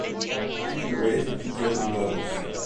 People waiting to get on boats.